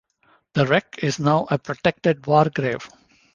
The wreck is now a protected war grave.